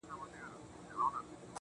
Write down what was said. تا ولي په مسکا کي قهر وخندوئ اور ته.